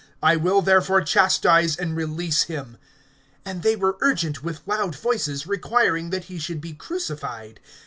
I will therefore chastise, and release him. (23)And they were urgent with loud voices, requiring that he should be crucified.